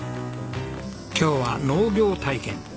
今日は農業体験。